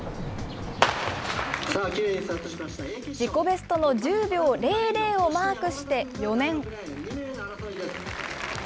自己ベストの１０秒００をマークして４年。